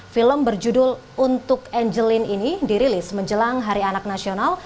film berjudul untuk angeline ini dirilis menjelang hari anak nasional